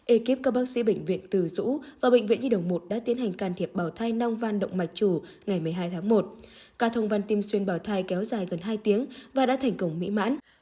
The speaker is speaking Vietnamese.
ekip các bác sĩ bệnh viện từ dũ và bệnh viện nhi đồng một đã tiến hành can thiệp bào thai nong van động mạch chủ ngày một mươi hai tháng một ca thông văn tim xuyên bảo thai kéo dài gần hai tiếng và đã thành công mỹ mãn